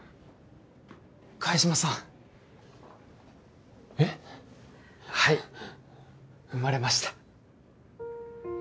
萱島さんえっ？はい生まれました